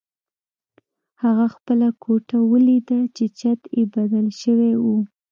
هغه خپله کوټه ولیده چې چت یې بدل شوی و